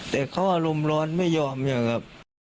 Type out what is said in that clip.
แต่เขาอารมณ์ร้อนไม่ยอมยังครับ